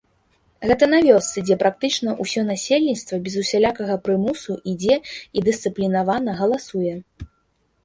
Гэта на вёсцы, дзе практычна ўсё насельніцтва без усялякага прымусу ідзе і дысцыплінавана галасуе!